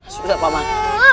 sudah pak man